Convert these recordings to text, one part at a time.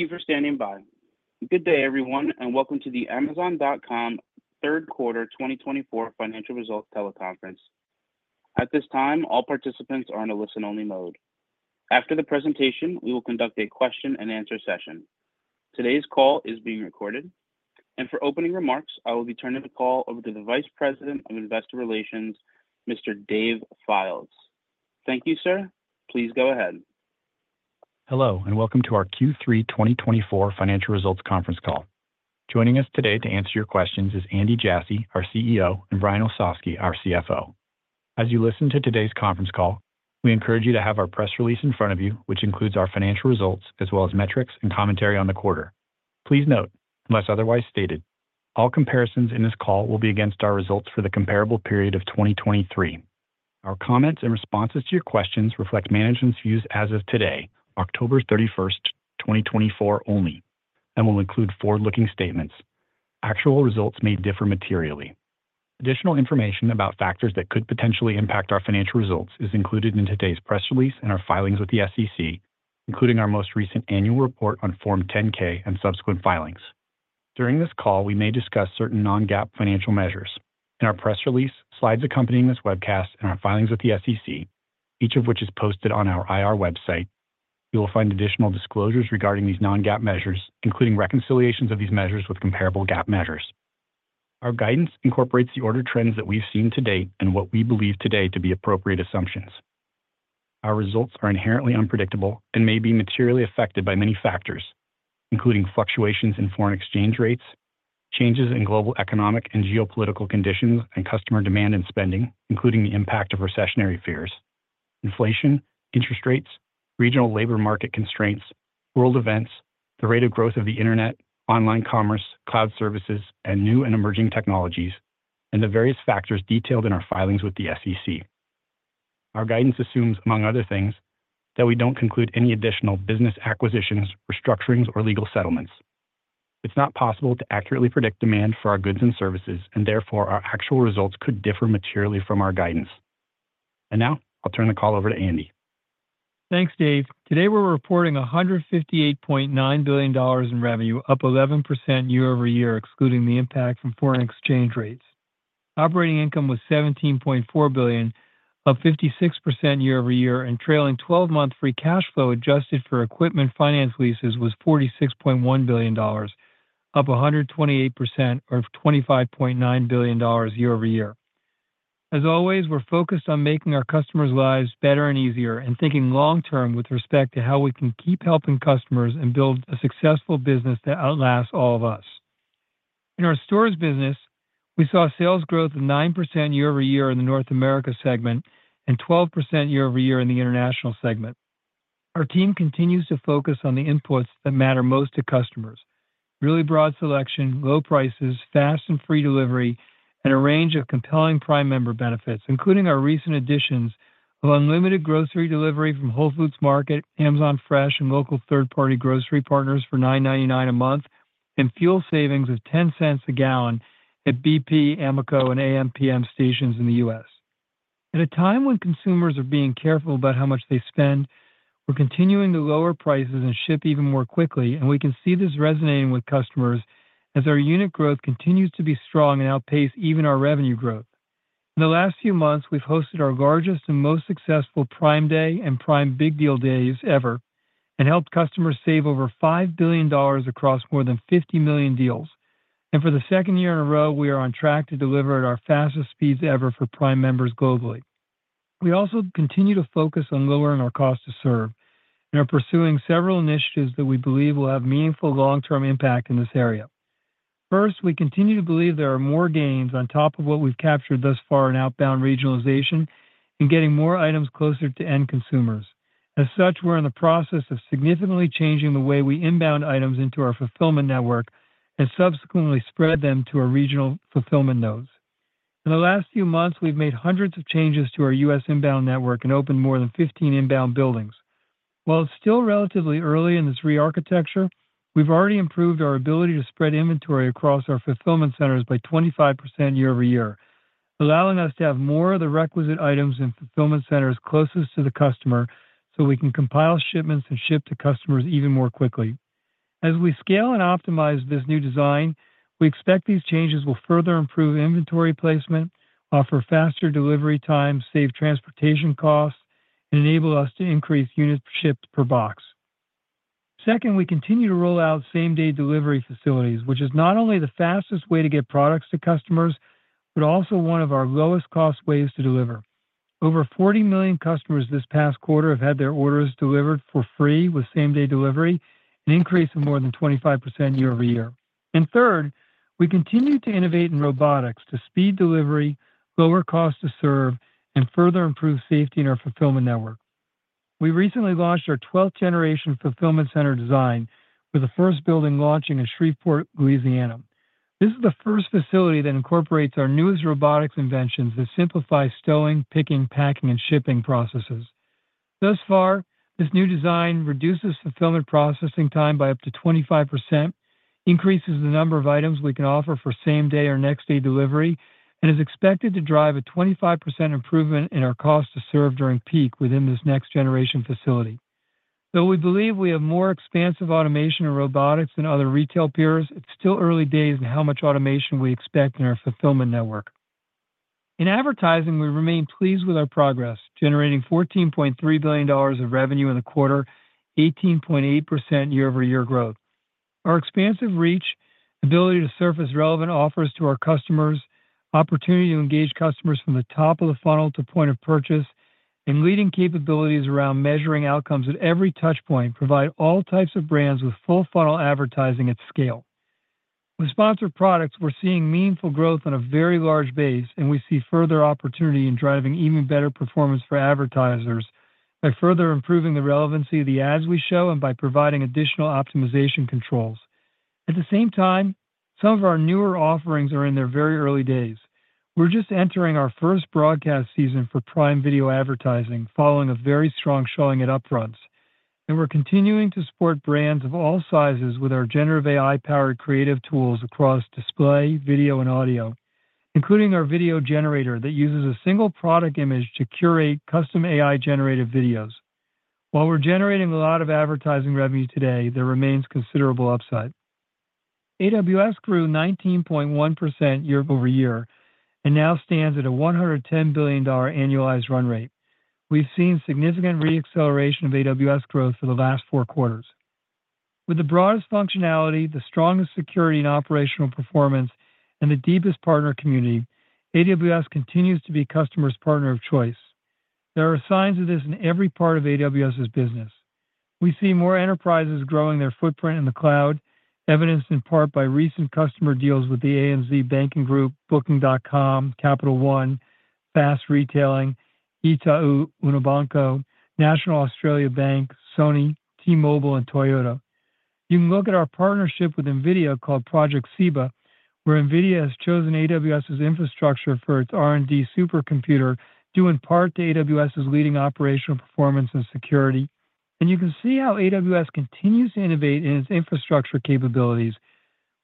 Thank you for standing by. Good day, everyone, and welcome to the Amazon.com Third Quarter 2024 Financial Results Teleconference. At this time, all participants are in a listen-only mode. After the presentation, we will conduct a question-and-answer session. Today's call is being recorded, and for opening remarks, I will be turning the call over to the Vice President of Investor Relations, Mr. Dave Fildes. Thank you, sir. Please go ahead. Hello, and welcome to our Q3 2024 Financial Results Conference call. Joining us today to answer your questions is Andy Jassy, our CEO, and Brian Olsavsky, our CFO. As you listen to today's conference call, we encourage you to have our press release in front of you, which includes our financial results as well as metrics and commentary on the quarter. Please note, unless otherwise stated, all comparisons in this call will be against our results for the comparable period of 2023. Our comments and responses to your questions reflect management's views as of today, October 31st, 2024 only, and will include forward-looking statements. Actual results may differ materially. Additional information about factors that could potentially impact our financial results is included in today's press release and our filings with the SEC, including our most recent annual report on Form 10-K and subsequent filings. During this call, we may discuss certain non-GAAP financial measures. In our press release, slides accompanying this webcast, and our filings with the SEC, each of which is posted on our IR website, you will find additional disclosures regarding these non-GAAP measures, including reconciliations of these measures with comparable GAAP measures. Our guidance incorporates the order trends that we've seen to date and what we believe today to be appropriate assumptions. Our results are inherently unpredictable and may be materially affected by many factors, including fluctuations in foreign exchange rates, changes in global economic and geopolitical conditions, and customer demand and spending, including the impact of recessionary fears, inflation, interest rates, regional labor market constraints, world events, the rate of growth of the internet, online commerce, cloud services, and new and emerging technologies, and the various factors detailed in our filings with the SEC. Our guidance assumes, among other things, that we don't conclude any additional business acquisitions, restructurings, or legal settlements. It's not possible to accurately predict demand for our goods and services, and therefore our actual results could differ materially from our guidance. And now I'll turn the call over to Andy. Thanks, Dave. Today we're reporting $158.9 billion in revenue, up 11% year over year, excluding the impact from foreign exchange rates. Operating income was $17.4 billion, up 56% year over year, and trailing 12-month free cash flow adjusted for equipment finance leases was $46.1 billion, up 128%, or $25.9 billion year over year. As always, we're focused on making our customers' lives better and easier and thinking long-term with respect to how we can keep helping customers and build a successful business that outlasts all of us. In our stores business, we saw sales growth of 9% year over year in the North America segment and 12% year over year in the International segment. Our team continues to focus on the inputs that matter most to customers: really broad selection, low prices, fast and free delivery, and a range of compelling Prime member benefits, including our recent additions of unlimited grocery delivery from Whole Foods Market, Amazon Fresh, and local third-party grocery partners for $9.99 a month, and fuel savings of $0.10 a gallon at BP, Amoco, and AMPM stations in the U.S. At a time when consumers are being careful about how much they spend, we're continuing to lower prices and ship even more quickly, and we can see this resonating with customers as our unit growth continues to be strong and outpace even our revenue growth. In the last few months, we've hosted our largest and most successful Prime Day and Prime Big Deal Days ever and helped customers save over $5 billion across more than 50 million deals. And for the second year in a row, we are on track to deliver at our fastest speeds ever for Prime members globally. We also continue to focus on lowering our cost to serve and are pursuing several initiatives that we believe will have meaningful long-term impact in this area. First, we continue to believe there are more gains on top of what we've captured thus far in outbound regionalization and getting more items closer to end consumers. As such, we're in the process of significantly changing the way we inbound items into our fulfillment network and subsequently spread them to our regional fulfillment nodes. In the last few months, we've made hundreds of changes to our U.S. inbound network and opened more than 15 inbound buildings. While it's still relatively early in this re-architecture, we've already improved our ability to spread inventory across our fulfillment centers by 25% year over year, allowing us to have more of the requisite items in fulfillment centers closest to the customer so we can compile shipments and ship to customers even more quickly. As we scale and optimize this new design, we expect these changes will further improve inventory placement, offer faster delivery times, save transportation costs, and enable us to increase units shipped per box. Second, we continue to roll out same-day delivery facilities, which is not only the fastest way to get products to customers, but also one of our lowest-cost ways to deliver. Over 40 million customers this past quarter have had their orders delivered for free with same-day delivery, an increase of more than 25% year over year. And third, we continue to innovate in robotics to speed delivery, lower cost to serve, and further improve safety in our fulfillment network. We recently launched our 12th-generation fulfillment center design, with the first building launching in Shreveport, Louisiana. This is the first facility that incorporates our newest robotics inventions that simplify stowing, picking, packing, and shipping processes. Thus far, this new design reduces fulfillment processing time by up to 25%, increases the number of items we can offer for same-day or next-day delivery, and is expected to drive a 25% improvement in our cost to serve during peak within this next-generation facility. Though we believe we have more expansive automation and robotics than other retail peers, it's still early days in how much automation we expect in our fulfillment network. In advertising, we remain pleased with our progress, generating $14.3 billion of revenue in the quarter, 18.8% year-over-year growth. Our expansive reach, ability to surface relevant offers to our customers, opportunity to engage customers from the top of the funnel to point of purchase, and leading capabilities around measuring outcomes at every touchpoint provide all types of brands with full-funnel advertising at scale. With Sponsored Products, we're seeing meaningful growth on a very large base, and we see further opportunity in driving even better performance for advertisers by further improving the relevancy of the ads we show and by providing additional optimization controls. At the same time, some of our newer offerings are in their very early days. We're just entering our first broadcast season for Prime Video advertising, following a very strong showing at Upfronts.We're continuing to support brands of all sizes with our generative AI-powered creative tools across display, video, and audio, including our video generator that uses a single product image to curate custom AI-generated videos. While we're generating a lot of advertising revenue today, there remains considerable upside. AWS grew 19.1% year over year and now stands at a $110 billion annualized run rate. We've seen significant re-acceleration of AWS growth for the last four quarters. With the broadest functionality, the strongest security and operational performance, and the deepest partner community, AWS continues to be customer's partner of choice. There are signs of this in every part of AWS's business. We see more enterprises growing their footprint in the cloud, evidenced in part by recent customer deals with the ANZ Banking Group, Booking.com, Capital One, Fast Retailing, Itaú Unibanco, National Australia Bank, Sony, T-Mobile, and Toyota.You can look at our partnership with NVIDIA called Project Ceiba, where NVIDIA has chosen AWS's infrastructure for its R&D supercomputer, due in part to AWS's leading operational performance and security. And you can see how AWS continues to innovate in its infrastructure capabilities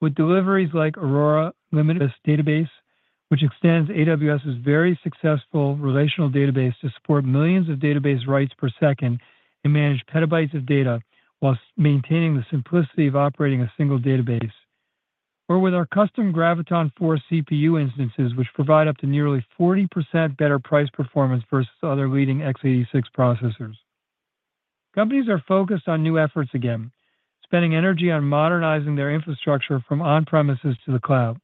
with deliveries like Aurora Limitless Database, which extends AWS's very successful relational database to support millions of database writes per second and manage petabytes of data while maintaining the simplicity of operating a single database. Or with our custom Graviton4 CPU instances, which provide up to nearly 40% better price performance versus other leading x86 processors. Companies are focused on new efforts again, spending energy on modernizing their infrastructure from on-premises to the cloud.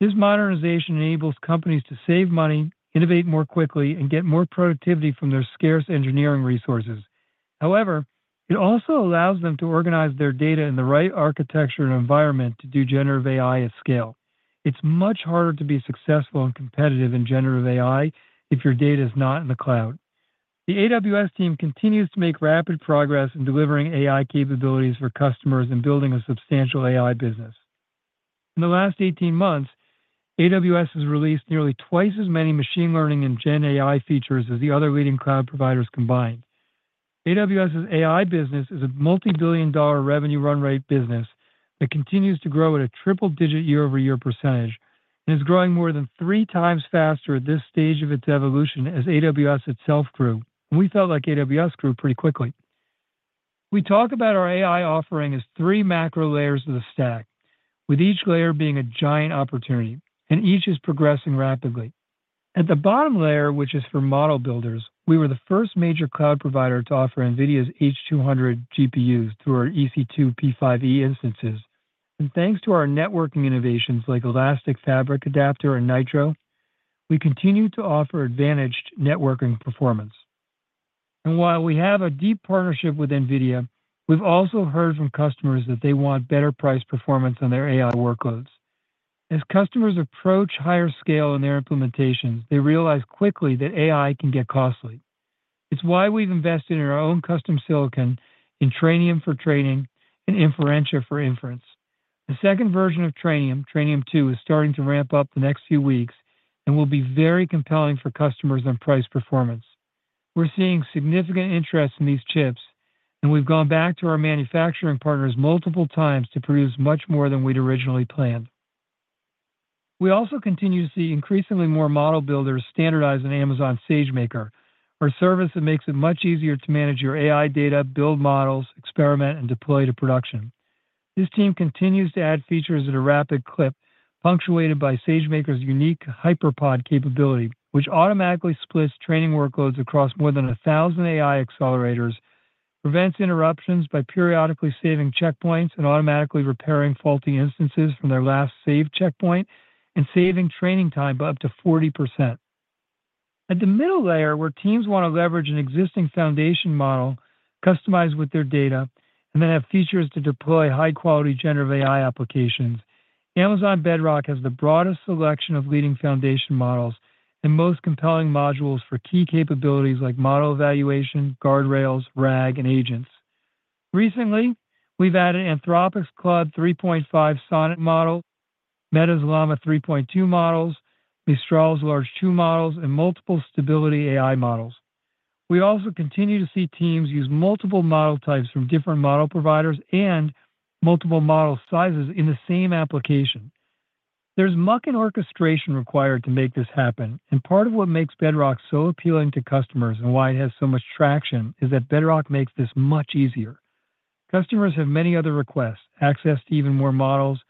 This modernization enables companies to save money, innovate more quickly, and get more productivity from their scarce engineering resources. However, it also allows them to organize their data in the right architecture and environment to do generative AI at scale. It's much harder to be successful and competitive in generative AI if your data is not in the cloud. The AWS team continues to make rapid progress in delivering AI capabilities for customers and building a substantial AI business. In the last 18 months, AWS has released nearly twice as many machine learning and GenAI features as the other leading cloud providers combined. AWS's AI business is a multi-billion dollar revenue run rate business that continues to grow at a triple-digit year-over-year percentage and is growing more than three times faster at this stage of its evolution as AWS itself grew, and we felt like AWS grew pretty quickly. We talk about our AI offering as three macro layers of the stack, with each layer being a giant opportunity, and each is progressing rapidly. At the bottom layer, which is for model builders, we were the first major cloud provider to offer NVIDIA's H200 GPUs through our EC2 P5e instances. And thanks to our networking innovations like Elastic Fabric Adapter and Nitro, we continue to offer advantaged networking performance. And while we have a deep partnership with NVIDIA, we've also heard from customers that they want better price performance on their AI workloads. As customers approach higher scale in their implementations, they realize quickly that AI can get costly. It's why we've invested in our own custom silicon, in Trainium for training and Inferentia for inference. The second version of Trainium, Trainium2, is starting to ramp up the next few weeks and will be very compelling for customers on price performance. We're seeing significant interest in these chips, and we've gone back to our manufacturing partners multiple times to produce much more than we'd originally planned. We also continue to see increasingly more model builders standardize on Amazon SageMaker, our service that makes it much easier to manage your AI data, build models, experiment, and deploy to production. This team continues to add features at a rapid clip, punctuated by SageMaker's unique HyperPod capability, which automatically splits training workloads across more than 1,000 AI accelerators, prevents interruptions by periodically saving checkpoints and automatically repairing faulty instances from their last saved checkpoint, and saving training time by up to 40%. At the middle layer, where teams want to leverage an existing foundation model customized with their data and then have features to deploy high-quality generative AI applications, Amazon Bedrock has the broadest selection of leading foundation models and most compelling modules for key capabilities like model evaluation, guardrails, RAG, and agents. Recently, we've added Anthropic's Claude 3.5 Sonnet model, Meta's Llama 3.2 models, Mistral's Large 2 models, and multiple Stability AI models. We also continue to see teams use multiple model types from different model providers and multiple model sizes in the same application. There's much orchestration required to make this happen, and part of what makes Bedrock so appealing to customers and why it has so much traction is that Bedrock makes this much easier. Customers have many other requests: access to even more models,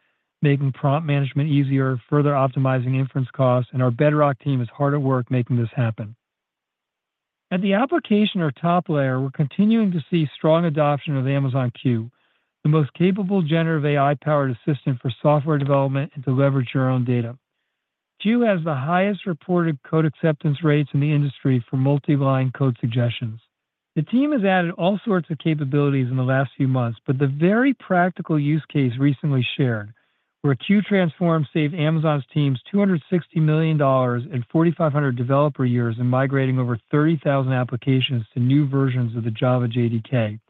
making prompt management easier, further optimizing inference costs, and our Bedrock team is hard at work making this happen. At the application or top layer, we're continuing to see strong adoption of Amazon Q, the most capable generative AI-powered assistant for software development and to leverage your own data. Q has the highest reported code acceptance rates in the industry for multi-line code suggestions. The team has added all sorts of capabilities in the last few months, but the very practical use case recently shared, where Q Transform saved Amazon's teams $260 million in 4,500 developer years in migrating over 30,000 applications to new versions of the Java JDK,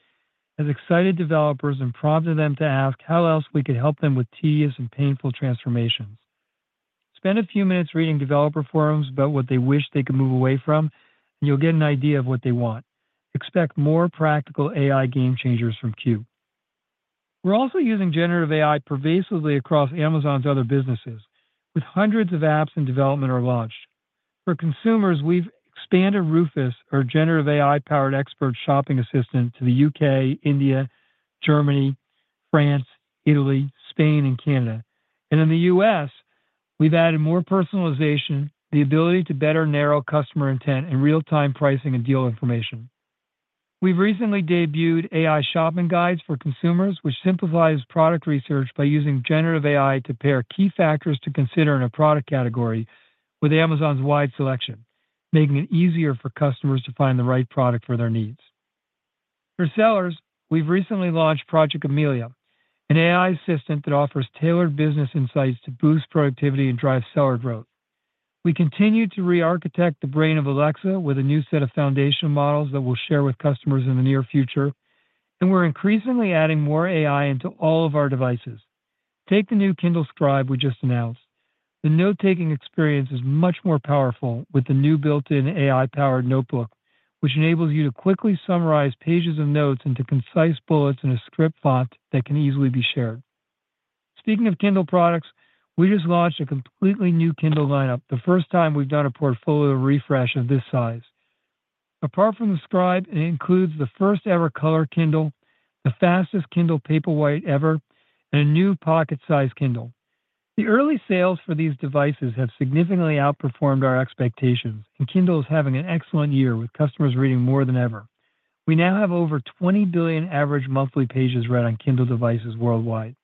has excited developers and prompted them to ask how else we could help them with tedious and painful transformations. Spend a few minutes reading developer forums about what they wish they could move away from, and you'll get an idea of what they want. Expect more practical AI game changers from Q. We're also using generative AI pervasively across Amazon's other businesses, with hundreds of apps in development or launched. For consumers, we've expanded Rufus, our generative AI-powered expert shopping assistant, to the UK, India, Germany, France, Italy, Spain, and Canada. And in the U.S., we've added more personalization, the ability to better narrow customer intent, and real-time pricing and deal information. We've recently debuted AI shopping guides for consumers, which simplifies product research by using generative AI to pair key factors to consider in a product category with Amazon's wide selection, making it easier for customers to find the right product for their needs. For sellers, we've recently launched Project Amelia, an AI assistant that offers tailored business insights to boost productivity and drive seller growth. We continue to re-architect the brain of Alexa with a new set of foundational models that we'll share with customers in the near future, and we're increasingly adding more AI into all of our devices. Take the new Kindle Scribe we just announced. The note-taking experience is much more powerful with the new built-in AI-powered notebook, which enables you to quickly summarize pages of notes into concise bullets in a script font that can easily be shared. Speaking of Kindle products, we just launched a completely new Kindle lineup, the first time we've done a portfolio refresh of this size. Apart from the Scribe, it includes the first-ever color Kindle, the fastest Kindle Paperwhite ever, and a new pocket-sized Kindle. The early sales for these devices have significantly outperformed our expectations, and Kindle is having an excellent year with customers reading more than ever. We now have over 20 billion average monthly pages read on Kindle devices worldwide.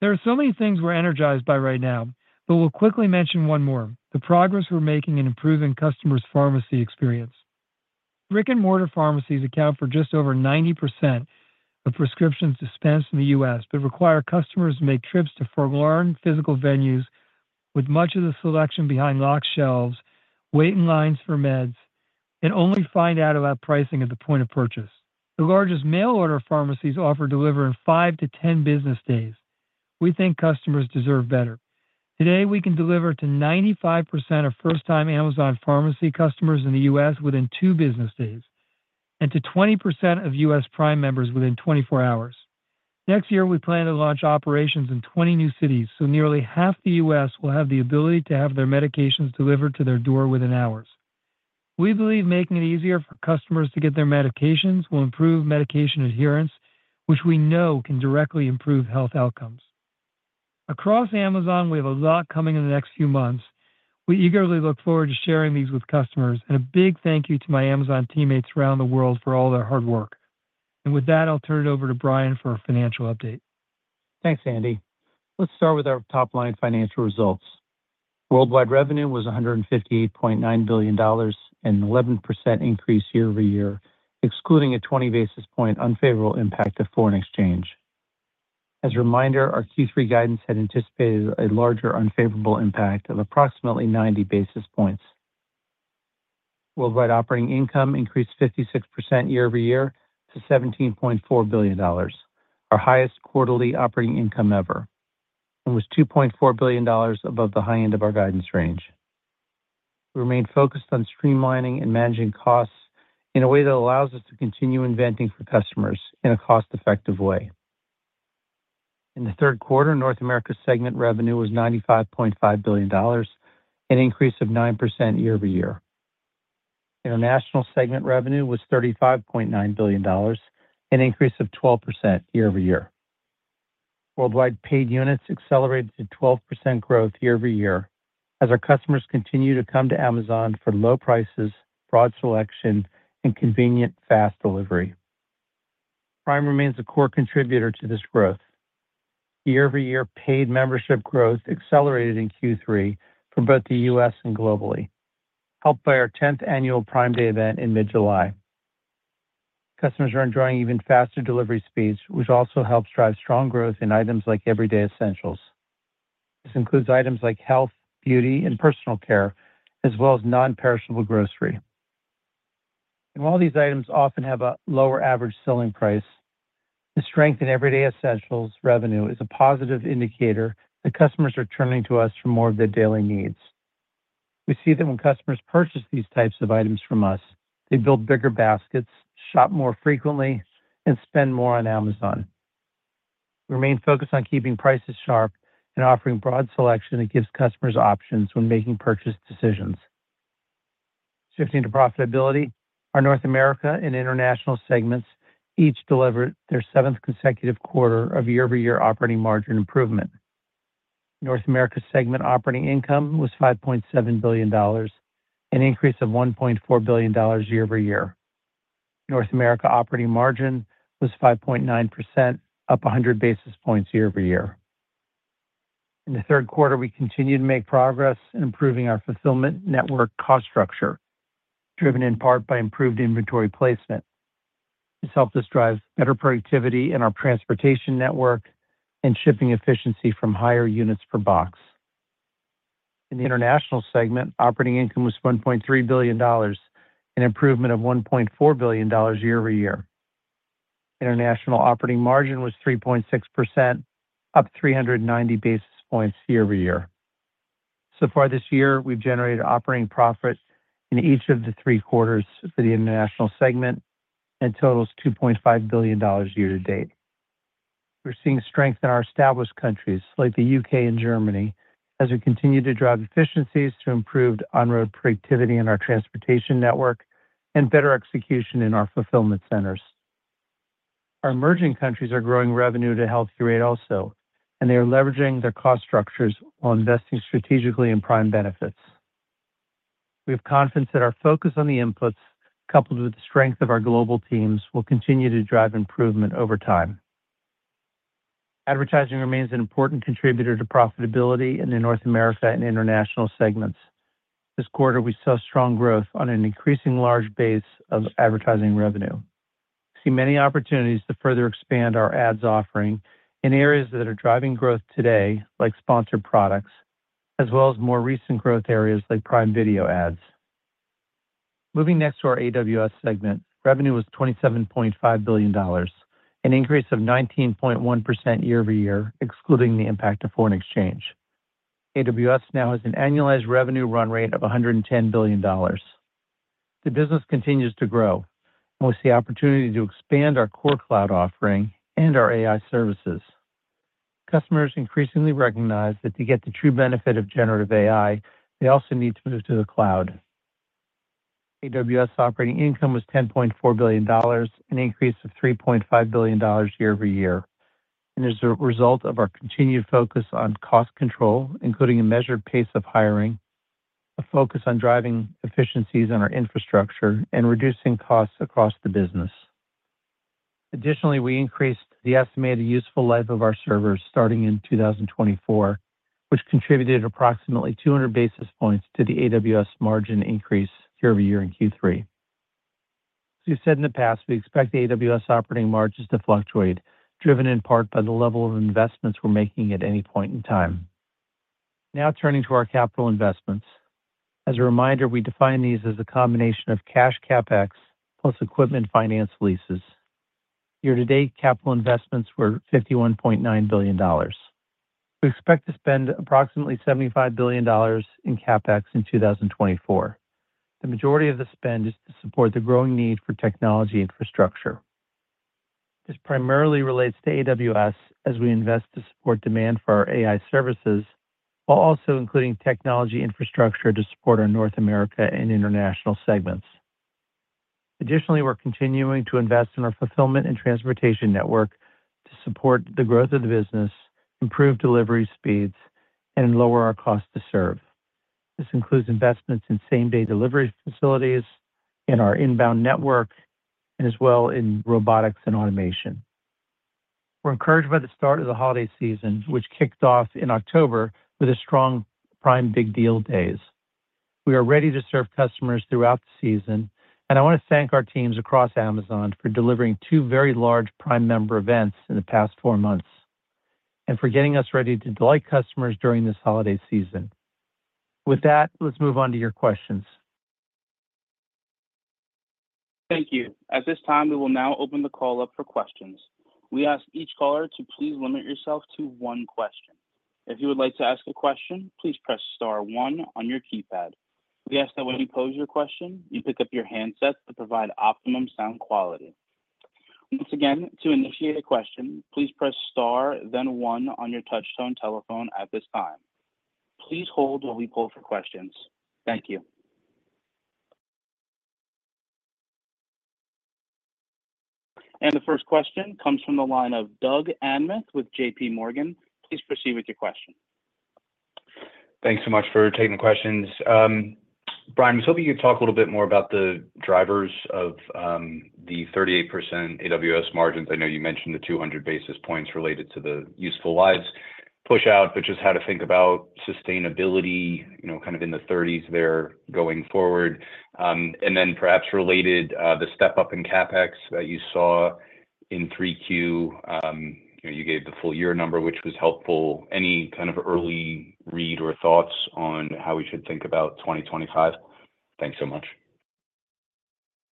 There are so many things we're energized by right now, but we'll quickly mention one more: the progress we're making in improving customers' pharmacy experience. Brick-and-mortar pharmacies account for just over 90% of prescriptions dispensed in the U.S., but require customers to make trips to forlorn physical venues, with much of the selection behind locked shelves, waiting lines for meds, and only find out about pricing at the point of purchase. The largest mail order pharmacies offer delivery in 5-10 business days. We think customers deserve better. Today, we can deliver to 95% of first-time Amazon Pharmacy customers in the U.S. within two business days, and to 20% of U.S. Prime members within 24 hours. Next year, we plan to launch operations in 20 new cities, so nearly half the U.S. will have the ability to have their medications delivered to their door within hours. We believe making it easier for customers to get their medications will improve medication adherence, which we know can directly improve health outcomes. Across Amazon, we have a lot coming in the next few months. We eagerly look forward to sharing these with customers, and a big thank you to my Amazon teammates around the world for all their hard work. And with that, I'll turn it over to Brian for a financial update. Thanks, Andy. Let's start with our top-line financial results. Worldwide revenue was $158.9 billion, an 11% increase year over year, excluding a 20 basis point unfavorable impact of foreign exchange. As a reminder, our Q3 guidance had anticipated a larger unfavorable impact of approximately 90 basis points. Worldwide operating income increased 56% year over year to $17.4 billion, our highest quarterly operating income ever, and was $2.4 billion above the high end of our guidance range. We remained focused on streamlining and managing costs in a way that allows us to continue inventing for customers in a cost-effective way. In the third quarter, North America segment revenue was $95.5 billion, an increase of 9% year over year. International segment revenue was $35.9 billion, an increase of 12% year over year. Worldwide paid units accelerated to 12% growth year over year as our customers continue to come to Amazon for low prices, broad selection, and convenient fast delivery. Prime remains a core contributor to this growth. Year over year, paid membership growth accelerated in Q3 from both the U.S. and globally, helped by our 10th annual Prime Day event in mid-July. Customers are enjoying even faster delivery speeds, which also helps drive strong growth in items like everyday essentials. This includes items like health, beauty, and personal care, as well as non-perishable grocery. And while these items often have a lower average selling price, the strength in everyday essentials revenue is a positive indicator that customers are turning to us for more of their daily needs. We see that when customers purchase these types of items from us, they build bigger baskets, shop more frequently, and spend more on Amazon. We remain focused on keeping prices sharp and offering broad selection that gives customers options when making purchase decisions. Shifting to profitability, our North America and international segments each delivered their seventh consecutive quarter of year-over-year operating margin improvement. North America segment operating income was $5.7 billion, an increase of $1.4 billion year over year. North America operating margin was 5.9%, up 100 basis points year over year. In the third quarter, we continued to make progress in improving our fulfillment network cost structure, driven in part by improved inventory placement. This helped us drive better productivity in our transportation network and shipping efficiency from higher units per box. In the international segment, operating income was $1.3 billion, an improvement of $1.4 billion year over year. International operating margin was 3.6%, up 390 basis points year over year. So far this year, we've generated operating profit in each of the three quarters for the international segment and totals $2.5 billion year to date. We're seeing strength in our established countries like the U.K. and Germany as we continue to drive efficiencies to improved on-road productivity in our transportation network and better execution in our fulfillment centers. Our emerging countries are growing revenue to help curate also, and they are leveraging their cost structures while investing strategically in Prime benefits. We have confidence that our focus on the inputs, coupled with the strength of our global teams, will continue to drive improvement over time. Advertising remains an important contributor to profitability in the North America and International segments. This quarter, we saw strong growth on an increasing large base of advertising revenue. We see many opportunities to further expand our ads offering in areas that are driving growth today, like Sponsored Products, as well as more recent growth areas like Prime Video ads. Moving next to our AWS segment, revenue was $27.5 billion, an increase of 19.1% year over year, excluding the impact of foreign exchange. AWS now has an annualized revenue run rate of $110 billion. The business continues to grow, and we see opportunity to expand our core cloud offering and our AI services. Customers increasingly recognize that to get the true benefit of generative AI, they also need to move to the cloud. AWS operating income was $10.4 billion, an increase of $3.5 billion year over year. And as a result of our continued focus on cost control, including a measured pace of hiring, a focus on driving efficiencies on our infrastructure, and reducing costs across the business. Additionally, we increased the estimated useful life of our servers starting in 2024, which contributed approximately 200 basis points to the AWS margin increase year over year in Q3. As we've said in the past, we expect the AWS operating margins to fluctuate, driven in part by the level of investments we're making at any point in time. Now turning to our capital investments. As a reminder, we define these as a combination of cash CapEx plus equipment finance leases. Year to date, capital investments were $51.9 billion. We expect to spend approximately $75 billion in CapEx in 2024. The majority of the spend is to support the growing need for technology infrastructure. This primarily relates to AWS as we invest to support demand for our AI services, while also including technology infrastructure to support our North America and international segments. Additionally, we're continuing to invest in our fulfillment and transportation network to support the growth of the business, improve delivery speeds, and lower our cost to serve. This includes investments in same-day delivery facilities, in our inbound network, and as well in robotics and automation. We're encouraged by the start of the holiday season, which kicked off in October with a strong Prime Big Deal Days. We are ready to serve customers throughout the season, and I want to thank our teams across Amazon for delivering two very large Prime member events in the past four months, and for getting us ready to delight customers during this holiday season. With that, let's move on to your questions. Thank you. At this time, we will now open the call up for questions. We ask each caller to please limit yourself to one question. If you would like to ask a question, please press star one on your keypad. We ask that when you pose your question, you pick up your handset to provide optimum sound quality. Once again, to initiate a question, please press star, then one on your touchstone telephone at this time. Please hold while we pull for questions. Thank you. And the first question comes from the line of Doug Anmuth with J.P. Morgan. Please proceed with your question. Thanks so much for taking the questions. Brian, we hope you could talk a little bit more about the drivers of the 38% AWS margins. I know you mentioned the 200 basis points related to the useful lives push out, but just how to think about sustainability, kind of in the 30s there going forward. And then perhaps related, the step up in CapEx that you saw in 3Q, you gave the full year number, which was helpful. Any kind of early read or thoughts on how we should think about 2025? Thanks so much.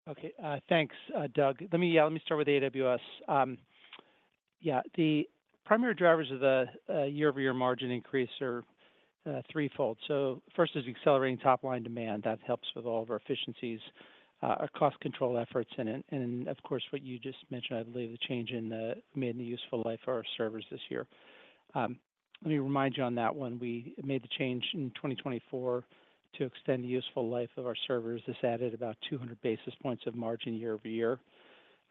Okay. Thanks, Doug. Let me start with AWS.Yeah, the primary drivers of the year-over-year margin increase are threefold. So first is accelerating top-line demand. That helps with all of our efficiencies, our cost control efforts, and of course, what you just mentioned, I believe, the change in the useful life of our servers this year. Let me remind you on that one. We made the change in 2024 to extend the useful life of our servers. This added about 200 basis points of margin year over year.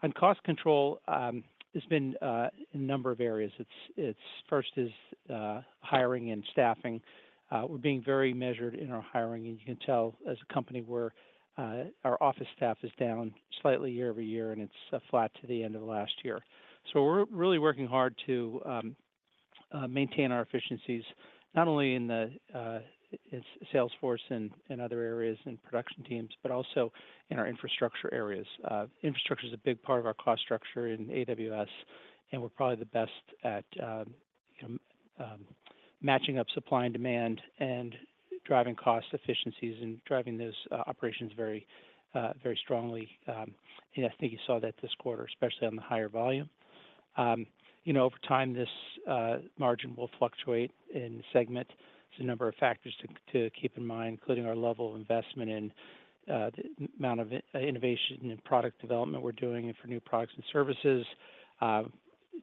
On cost control, there's been a number of areas. First is hiring and staffing. We're being very measured in our hiring, and you can tell as a company where our office staff is down slightly year over year, and it's flat to the end of last year. So we're really working hard to maintain our efficiencies, not only in sales force and other areas and production teams, but also in our infrastructure areas. Infrastructure is a big part of our cost structure in AWS, and we're probably the best at matching up supply and demand and driving cost efficiencies and driving those operations very strongly. And I think you saw that this quarter, especially on the higher volume. Over time, this margin will fluctuate in segment. There's a number of factors to keep in mind, including our level of investment and the amount of innovation and product development we're doing for new products and services,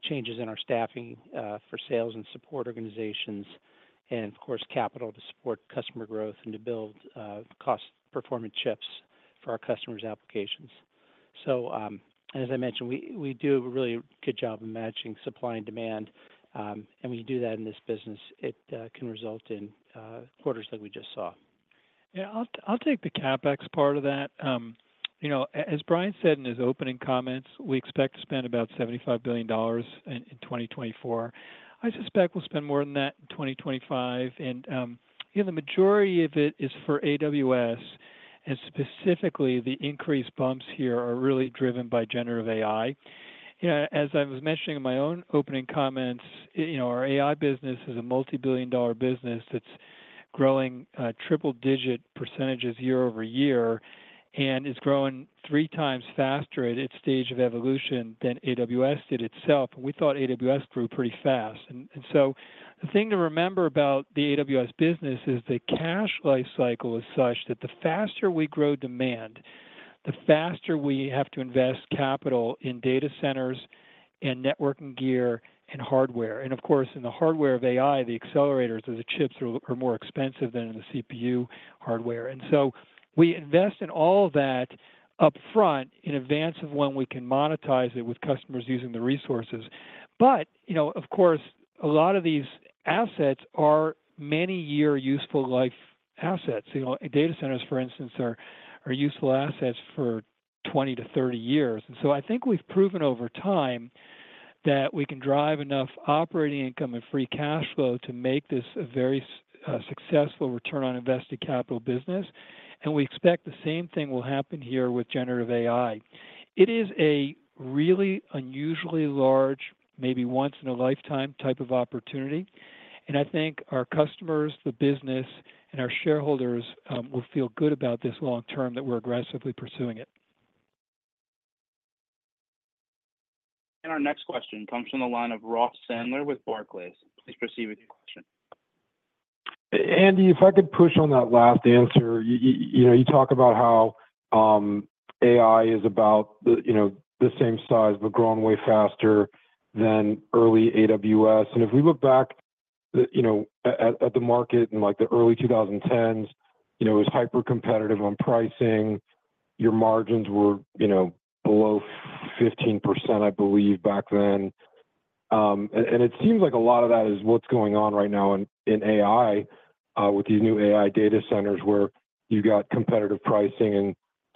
changes in our staffing for sales and support organizations, and of course, capital to support customer growth and to build cost-performing chips for our customers' applications. So, as I mentioned, we do a really good job of matching supply and demand, and we do that in this business. It can result in quarters like we just saw. Yeah, I'll take the CapEx part of that. As Brian said in his opening comments, we expect to spend about $75 billion in 2024. I suspect we'll spend more than that in 2025. And the majority of it is for AWS, and specifically, the increased bumps here are really driven by generative AI. As I was mentioning in my own opening comments, our AI business is a multi-billion dollar business that's growing triple-digit percentages year over year and is growing three times faster at its stage of evolution than AWS did itself. And we thought AWS grew pretty fast. And so the thing to remember about the AWS business is the cash life cycle is such that the faster we grow demand, the faster we have to invest capital in data centers and networking gear and hardware. And of course, in the hardware of AI, the accelerators of the chips are more expensive than in the CPU hardware. And so we invest in all of that upfront in advance of when we can monetize it with customers using the resources. But, of course, a lot of these assets are many-year useful life assets. Data centers, for instance, are useful assets for 20-30 years. And so I think we've proven over time that we can drive enough operating income and free cash flow to make this a very successful return on invested capital business. And we expect the same thing will happen here with generative AI.It is a really unusually large, maybe once-in-a-lifetime type of opportunity. And I think our customers, the business, and our shareholders will feel good about this long term that we're aggressively pursuing it. And our next question comes from the line of Ross Sandler with Barclays. Please proceed with your question. Andy, if I could push on that last answer. You talk about how AI is about the same size, but growing way faster than early AWS. And if we look back at the market in the early 2010s, it was hyper-competitive on pricing. Your margins were below 15%, I believe, back then. And it seems like a lot of that is what's going on right now in AI with these new AI data centers where you've got competitive pricing and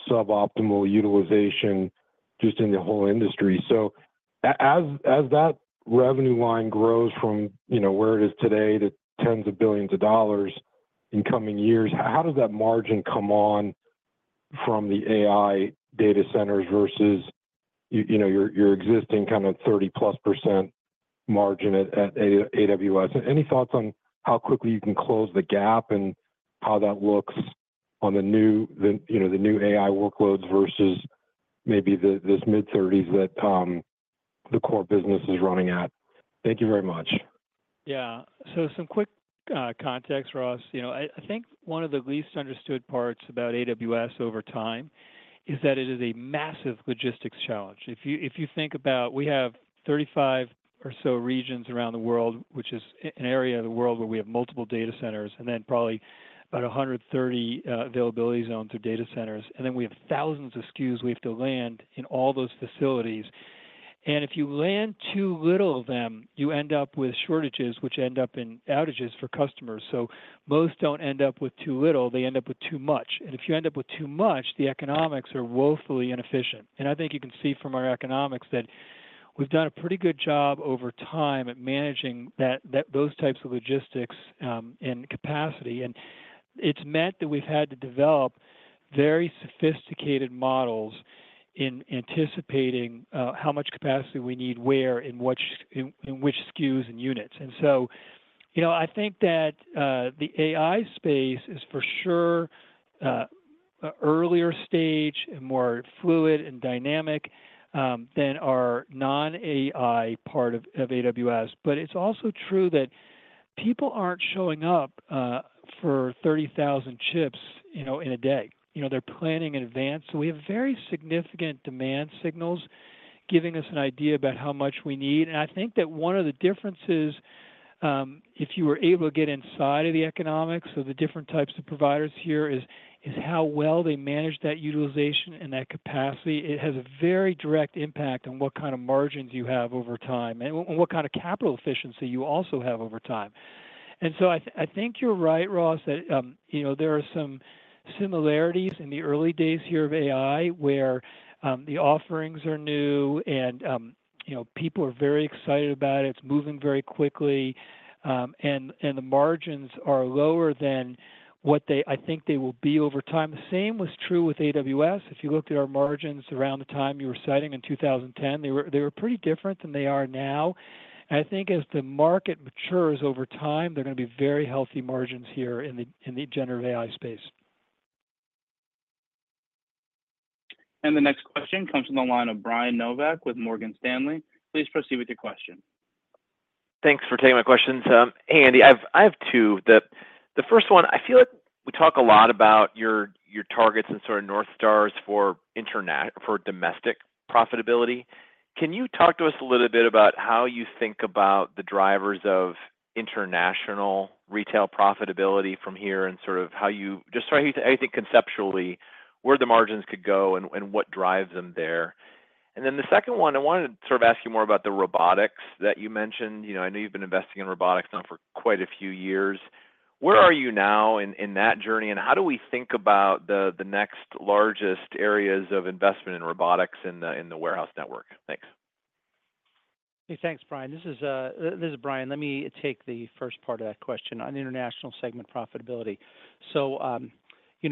suboptimal utilization just in the whole industry. So as that revenue line grows from where it is today to tens of billions of dollars in coming years, how does that margin come on from the AI data centers versus your existing kind of 30-plus% margin at AWS? Any thoughts on how quickly you can close the gap and how that looks on the new AI workloads versus maybe this mid-30s% that the core business is running at? Thank you very much. Yeah. So some quick context, Ross. I think one of the least understood parts about AWS over time is that it is a massive logistics challenge. If you think about, we have 35 or so regions around the world, which is an area of the world where we have multiple data centers, and then probably about 130 availability zones or data centers. And then we have thousands of SKUs we have to land in all those facilities. And if you land too little of them, you end up with shortages, which end up in outages for customers. So most don't end up with too little. They end up with too much. And if you end up with too much, the economics are woefully inefficient. And I think you can see from our economics that we've done a pretty good job over time at managing those types of logistics and capacity. And it's meant that we've had to develop very sophisticated models in anticipating how much capacity we need where and in which SKUs and units. And so I think that the AI space is for sure an earlier stage and more fluid and dynamic than our non-AI part of AWS. But it's also true that people aren't showing up for 30,000 chips in a day. They're planning in advance. So we have very significant demand signals giving us an idea about how much we need. And I think that one of the differences, if you were able to get inside of the economics of the different types of providers here, is how well they manage that utilization and that capacity. It has a very direct impact on what kind of margins you have over time and what kind of capital efficiency you also have over time. And so I think you're right, Ross, that there are some similarities in the early days here of AI where the offerings are new and people are very excited about it. It's moving very quickly. And the margins are lower than what I think they will be over time. The same was true with AWS. If you looked at our margins around the time you were citing in 2010, they were pretty different than they are now. And I think as the market matures over time, there are going to be very healthy margins here in the generative AI space. And the next question comes from the line of Brian Nowak with Morgan Stanley. Please proceed with your question. Thanks for taking my questions. Andy, I have two. The first one, I feel like we talk a lot about your targets and sort of North Stars for domestic profitability. Can you talk to us a little bit about how you think about the drivers of international retail profitability from here and sort of how you think conceptually where the margins could go and what drives them there? And then the second one, I wanted to sort of ask you more about the robotics that you mentioned. I know you've been investing in robotics now for quite a few years. Where are you now in that journey? And how do we think about the next largest areas of investment in robotics in the warehouse network? Thanks. Hey, thanks, Brian. This is Brian. Let me take the first part of that question on international segment profitability. So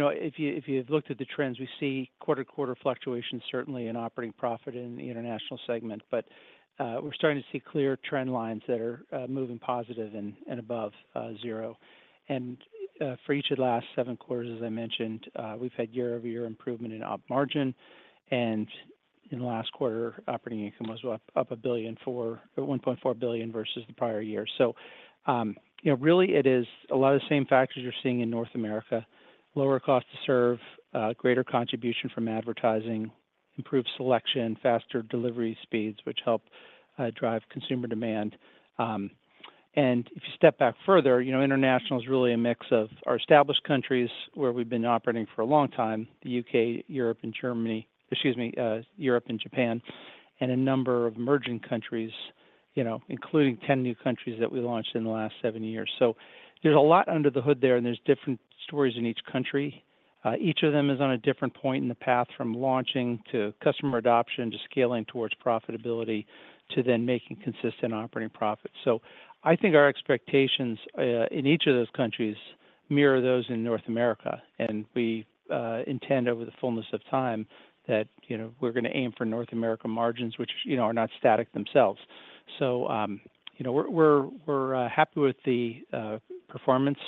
if you've looked at the trends, we see quarter-to-quarter fluctuations, certainly, in operating profit in the international segment. But we're starting to see clear trend lines that are moving positive and above zero. And for each of the last seven quarters, as I mentioned, we've had year-over-year improvement in op margin. And in the last quarter, operating income was up $1.4 billion versus the prior year. So really, it is a lot of the same factors you're seeing in North America: lower cost to serve, greater contribution from advertising, improved selection, faster delivery speeds, which help drive consumer demand. And if you step back further, international is really a mix of our established countries where we've been operating for a long time, the U.K., Europe, and Germany, excuse me, Europe and Japan, and a number of emerging countries, including 10 new countries that we launched in the last seven years. So there's a lot under the hood there, and there's different stories in each country. Each of them is on a different point in the path from launching to customer adoption to scaling towards profitability to then making consistent operating profits. So I think our expectations in each of those countries mirror those in North America. We intend, over the fullness of time, that we're going to aim for North America margins, which are not static themselves. So we're happy with the performance.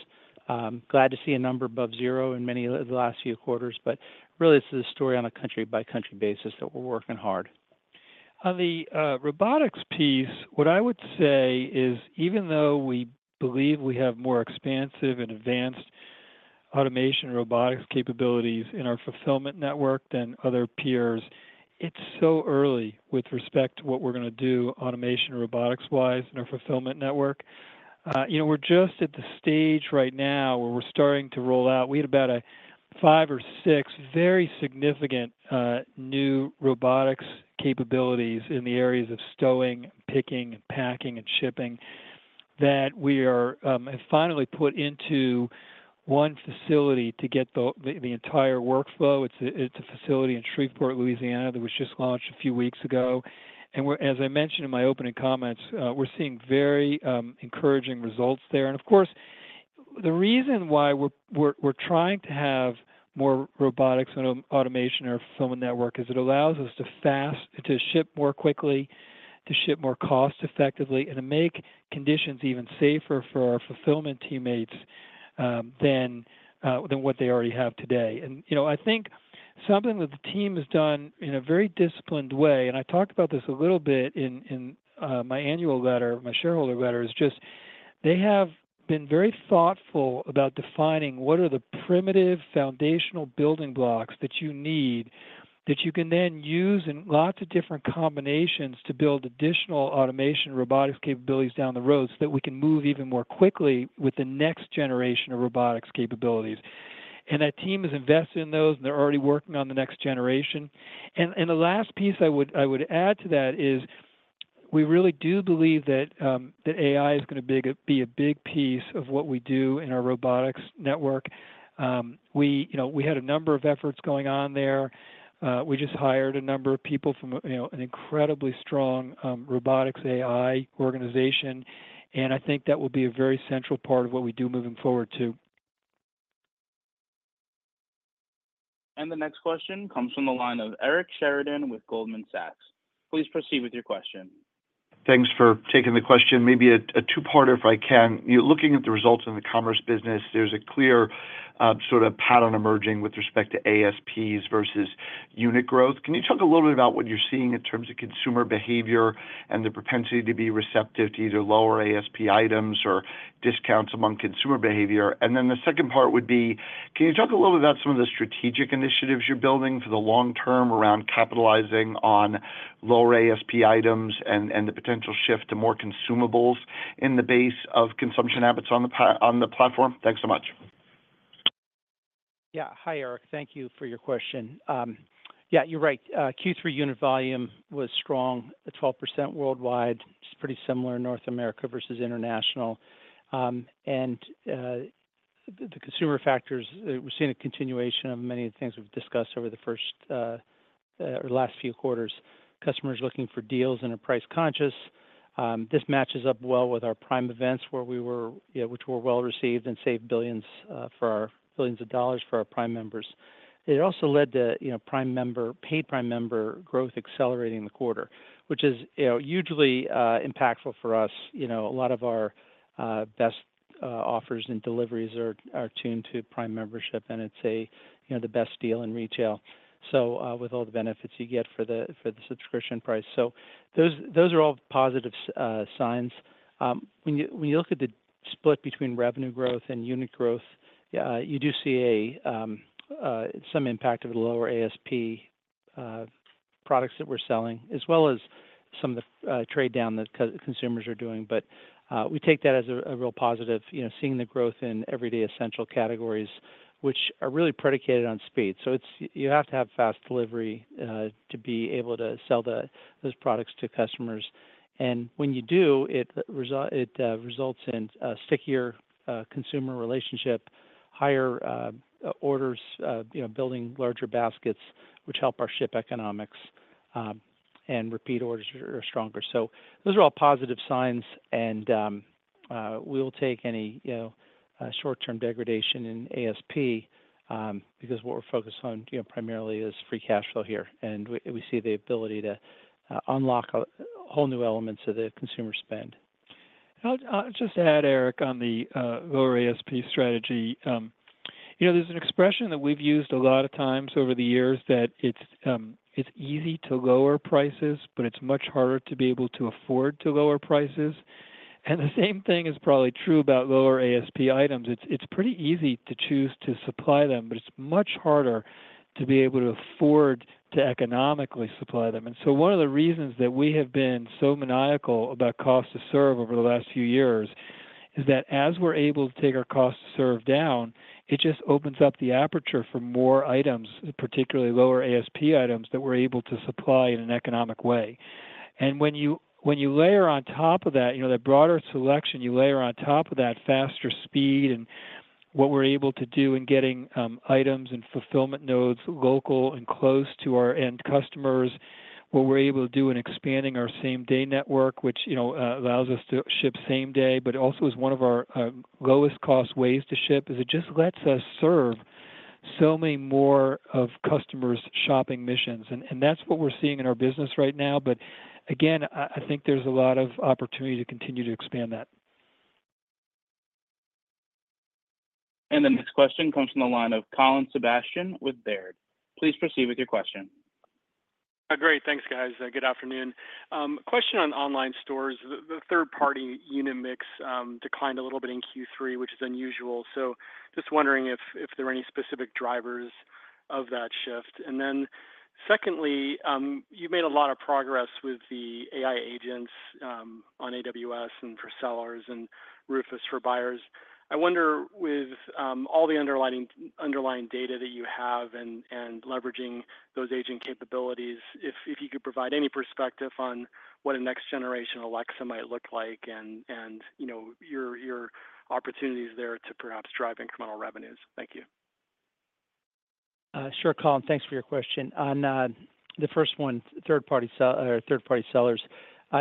Glad to see a number above zero in many of the last few quarters. But really, it's a story on a country-by-country basis that we're working hard. On the robotics piece, what I would say is, even though we believe we have more expansive and advanced automation robotics capabilities in our fulfillment network than other peers, it's so early with respect to what we're going to do automation robotics-wise in our fulfillment network. We're just at the stage right now where we're starting to roll out. We had about five or six very significant new robotics capabilities in the areas of stowing, picking, and packing, and shipping that we have finally put into one facility to get the entire workflow. It's a facility in Shreveport, Louisiana, that was just launched a few weeks ago. And as I mentioned in my opening comments, we're seeing very encouraging results there. And of course, the reason why we're trying to have more robotics and automation in our fulfillment network is it allows us to ship more quickly, to ship more cost-effectively, and to make conditions even safer for our fulfillment teammates than what they already have today. I think something that the team has done in a very disciplined way, and I talked about this a little bit in my annual letter, my shareholder letter, is just they have been very thoughtful about defining what are the primitive foundational building blocks that you need that you can then use in lots of different combinations to build additional automation robotics capabilities down the road so that we can move even more quickly with the next generation of robotics capabilities. That team is invested in those, and they're already working on the next generation. The last piece I would add to that is we really do believe that AI is going to be a big piece of what we do in our robotics network. We had a number of efforts going on there. We just hired a number of people from an incredibly strong robotics AI organization. And I think that will be a very central part of what we do moving forward too. And the next question comes from the line of Eric Sheridan with Goldman Sachs. Please proceed with your question. Thanks for taking the question. Maybe a two-parter if I can. Looking at the results in the commerce business, there's a clear sort of pattern emerging with respect to ASPs versus unit growth. Can you talk a little bit about what you're seeing in terms of consumer behavior and the propensity to be receptive to either lower ASP items or discounts among consumer behavior? And then the second part would be, can you talk a little bit about some of the strategic initiatives you're building for the long term around capitalizing on lower ASP items and the potential shift to more consumables in the base of consumption habits on the platform? Thanks so much. Yeah. Hi, Eric. Thank you for your question. Yeah, you're right. Q3 unit volume was strong, 12% worldwide. It's pretty similar in North America versus international. And the consumer factors, we're seeing a continuation of many of the things we've discussed over the first or last few quarters. Customers looking for deals and are price conscious. This matches up well with our Prime events where we were well received and saved billions of dollars for our Prime members. It also led to paid Prime member growth accelerating the quarter, which is hugely impactful for us. A lot of our best offers and deliveries are tuned to Prime membership, and it's the best deal in retail. So with all the benefits you get for the subscription price. So those are all positive signs. When you look at the split between revenue growth and unit growth, you do see some impact of the lower ASP products that we're selling, as well as some of the trade-down that consumers are doing. But we take that as a real positive, seeing the growth in everyday essential categories, which are really predicated on speed. So you have to have fast delivery to be able to sell those products to customers. And when you do, it results in a stickier consumer relationship, higher orders, building larger baskets, which help our ship economics, and repeat orders are stronger. So those are all positive signs. And we'll take any short-term degradation in ASP because what we're focused on primarily is free cash flow here. And we see the ability to unlock whole new elements of the consumer spend. I'll just add, Eric, on the lower ASP strategy. There's an expression that we've used a lot of times over the years that it's easy to lower prices, but it's much harder to be able to afford to lower prices. And the same thing is probably true about lower ASP items. It's pretty easy to choose to supply them, but it's much harder to be able to afford to economically supply them. And so one of the reasons that we have been so maniacal about cost to serve over the last few years is that as we're able to take our cost to serve down, it just opens up the aperture for more items, particularly lower ASP items that we're able to supply in an economic way. And when you layer on top of that, that broader selection, you layer on top of that faster speed and what we're able to do in getting items and fulfillment nodes local and close to our end customers, what we're able to do in expanding our same-day network, which allows us to ship same day, but also is one of our lowest-cost ways to ship, it just lets us serve so many more of customers' shopping missions. And that's what we're seeing in our business right now. But again, I think there's a lot of opportunity to continue to expand that. And the next question comes from the line of Colin Sebastian with Baird. Please proceed with your question. Great. Thanks, guys. Good afternoon. Question on online stores. The third-party unit mix declined a little bit in Q3, which is unusual. So just wondering if there are any specific drivers of that shift. And then secondly, you've made a lot of progress with the AI agents on AWS and for sellers and Rufus for buyers. I wonder, with all the underlying data that you have and leveraging those agent capabilities, if you could provide any perspective on what a next-generation Alexa might look like and your opportunities there to perhaps drive incremental revenues. Thank you. Sure, Colin. Thanks for your question. On the first one, third-party sellers,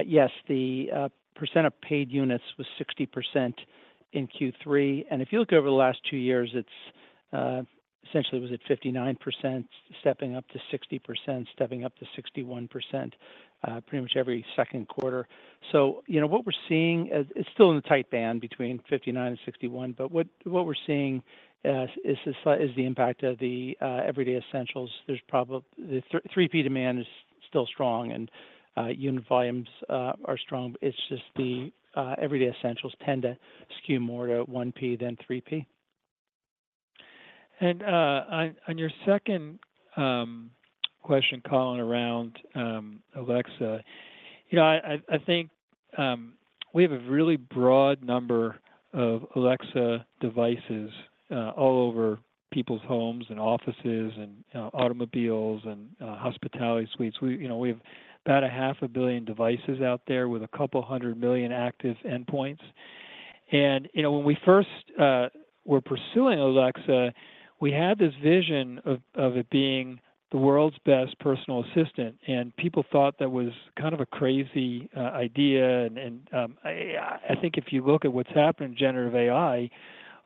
yes, the percent of paid units was 60% in Q3.If you look over the last two years, it's essentially, was it 59% stepping up to 60%, stepping up to 61% pretty much every second quarter. What we're seeing, it's still in the tight band between 59% and 61%, but what we're seeing is the impact of the everyday essentials. The 3P demand is still strong, and unit volumes are strong. It's just the everyday essentials tend to skew more to 1P than 3P. On your second question, Colin, around Alexa, I think we have a really broad number of Alexa devices all over people's homes and offices and automobiles and hospitality suites. We have about 500 million devices out there with a couple hundred million active endpoints. When we first were pursuing Alexa, we had this vision of it being the world's best personal assistant. People thought that was kind of a crazy idea. I think if you look at what's happened in generative AI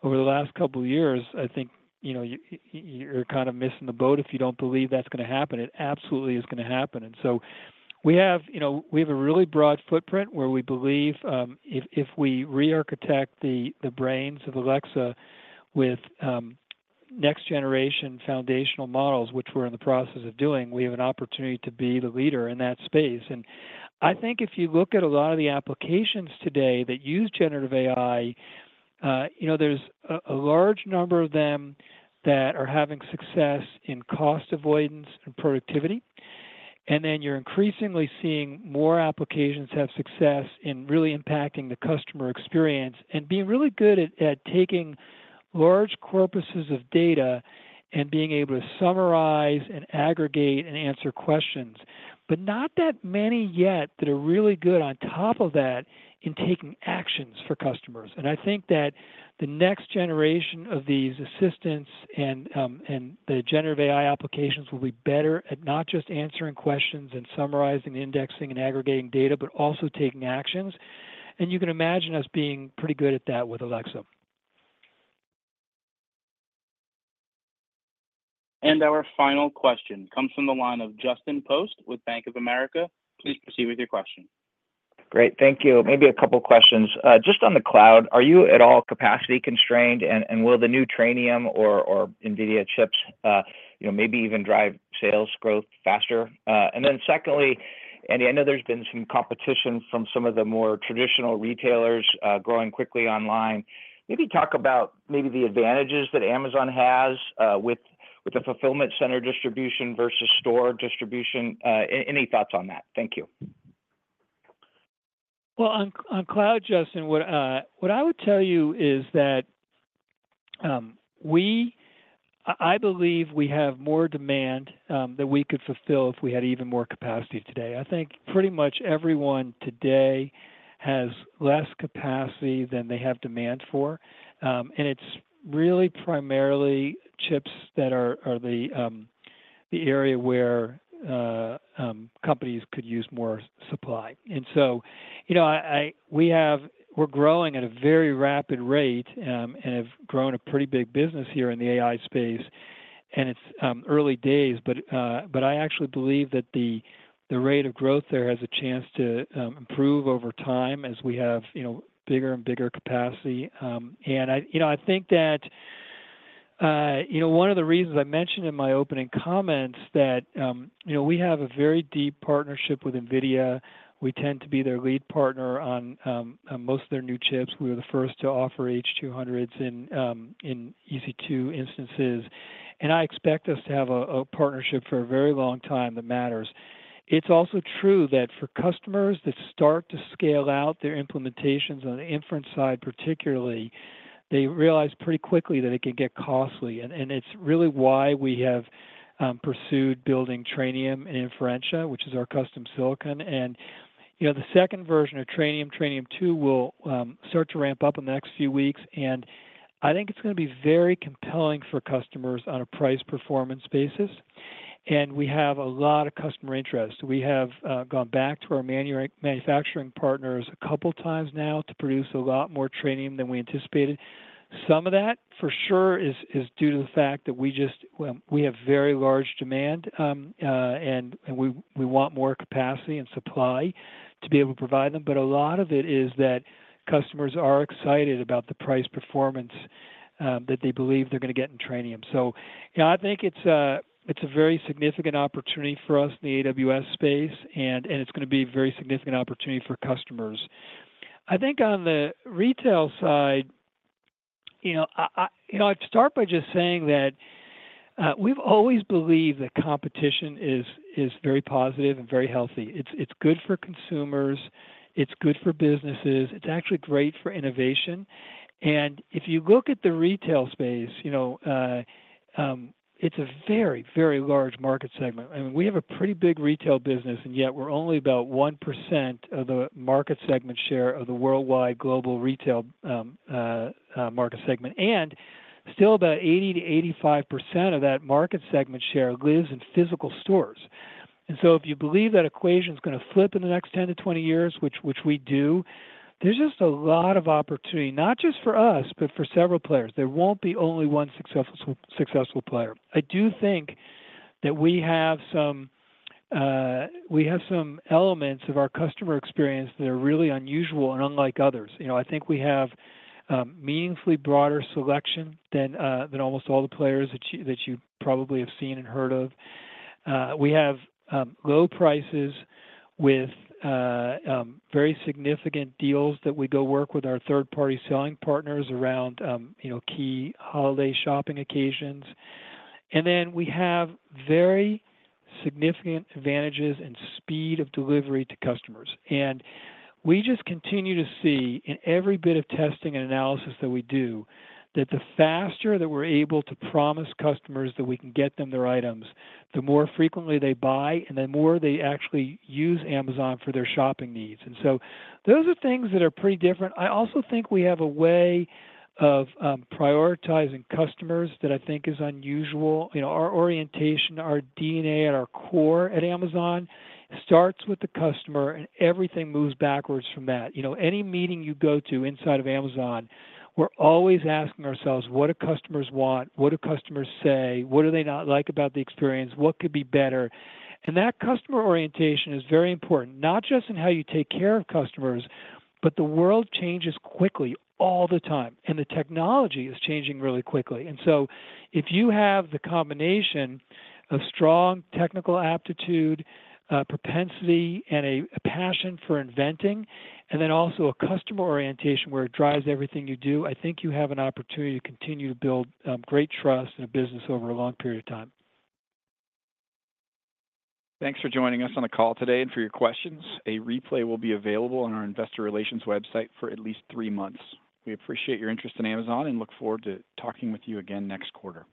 over the last couple of years, I think you're kind of missing the boat if you don't believe that's going to happen. It absolutely is going to happen. We have a really broad footprint where we believe if we re-architect the brains of Alexa with next-generation foundational models, which we're in the process of doing, we have an opportunity to be the leader in that space. I think if you look at a lot of the applications today that use generative AI, there's a large number of them that are having success in cost avoidance and productivity. And then you're increasingly seeing more applications have success in really impacting the customer experience and being really good at taking large corpuses of data and being able to summarize and aggregate and answer questions, but not that many yet that are really good on top of that in taking actions for customers. And I think that the next generation of these assistants and the generative AI applications will be better at not just answering questions and summarizing and indexing and aggregating data, but also taking actions. And you can imagine us being pretty good at that with Alexa. And our final question comes from the line of Justin Post with Bank of America. Please proceed with your question. Great. Thank you. Maybe a couple of questions. Just on the cloud, are you at all capacity constrained, and will the new Trainium or NVIDIA chips maybe even drive sales growth faster? And then secondly, Andy, I know there's been some competition from some of the more traditional retailers growing quickly online. Maybe talk about maybe the advantages that Amazon has with the fulfillment center distribution versus store distribution. Any thoughts on that? Thank you. Well, on cloud, Justin, what I would tell you is that I believe we have more demand than we could fulfill if we had even more capacity today. I think pretty much everyone today has less capacity than they have demand for. And it's really primarily chips that are the area where companies could use more supply. And so we're growing at a very rapid rate and have grown a pretty big business here in the AI space. And it's early days, but I actually believe that the rate of growth there has a chance to improve over time as we have bigger and bigger capacity. And I think that one of the reasons I mentioned in my opening comments that we have a very deep partnership with NVIDIA. We tend to be their lead partner on most of their new chips. We were the first to offer H200s in EC2 instances. And I expect us to have a partnership for a very long time that matters. It's also true that for customers that start to scale out their implementations on the inference side, particularly, they realize pretty quickly that it can get costly. And it's really why we have pursued building Trainium and Inferentia, which is our custom silicon. And the second version of Trainium, Trainium2, will start to ramp up in the next few weeks. I think it's going to be very compelling for customers on a price-performance basis. We have a lot of customer interest. We have gone back to our manufacturing partners a couple of times now to produce a lot more Trainium than we anticipated. Some of that, for sure, is due to the fact that we have very large demand, and we want more capacity and supply to be able to provide them. A lot of it is that customers are excited about the price performance that they believe they're going to get in Trainium. I think it's a very significant opportunity for us in the AWS space, and it's going to be a very significant opportunity for customers. I think on the retail side, I'd start by just saying that we've always believed that competition is very positive and very healthy. It's good for consumers.It's good for businesses. It's actually great for innovation. And if you look at the retail space, it's a very, very large market segment. I mean, we have a pretty big retail business, and yet we're only about 1% of the market segment share of the worldwide global retail market segment. And still, about 80%-85% of that market segment share lives in physical stores. And so if you believe that equation is going to flip in the next 10-20 years, which we do, there's just a lot of opportunity, not just for us, but for several players. There won't be only one successful player. I do think that we have some elements of our customer experience that are really unusual and unlike others. I think we have a meaningfully broader selection than almost all the players that you probably have seen and heard of. We have low prices with very significant deals that we go work with our third-party selling partners around key holiday shopping occasions. Then we have very significant advantages in speed of delivery to customers. We just continue to see in every bit of testing and analysis that we do that the faster that we're able to promise customers that we can get them their items, the more frequently they buy, and the more they actually use Amazon for their shopping needs. Those are things that are pretty different. I also think we have a way of prioritizing customers that I think is unusual. Our orientation, our DNA at our core at Amazon starts with the customer, and everything moves backwards from that. Any meeting you go to inside of Amazon, we're always asking ourselves, "What do customers want? What do customers say? What do they not like about the experience? What could be better?" And that customer orientation is very important, not just in how you take care of customers, but the world changes quickly all the time, and the technology is changing really quickly. And so if you have the combination of strong technical aptitude, propensity, and a passion for inventing, and then also a customer orientation where it drives everything you do, I think you have an opportunity to continue to build great trust in a business over a long period of time. Thanks for joining us on the call today and for your questions. A replay will be available on our investor relations website for at least three months. We appreciate your interest in Amazon and look forward to talking with you again next quarter.